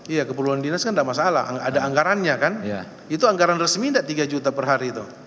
iya keperluan dinas kan tidak masalah ada anggarannya kan itu anggaran resmi tidak tiga juta per hari itu